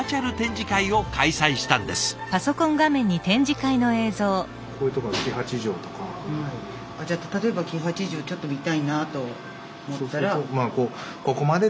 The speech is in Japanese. じゃあ例えば黄八丈ちょっと見たいなと思ったら。